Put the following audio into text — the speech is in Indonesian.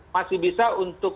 masih bisa untuk